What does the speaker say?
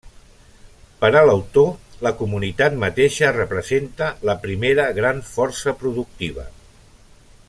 Per a l'autor, la comunitat mateixa representa la primera gran força productiva.